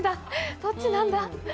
どっちなんだ。